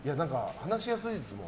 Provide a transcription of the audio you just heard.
話しやすいですもん。